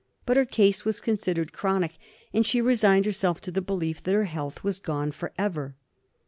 But her case was considered chronic, and she resigned herself to the belief that her health was gone for ever.